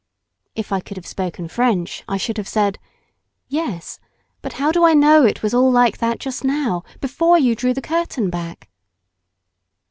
If 1 could have spoken French I should have said "Yes; but how do I know it was all like that just now, before you drew the curtain back?"